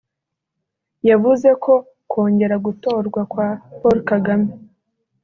yavuze ko kongera gutorwa kwa Paul Kagame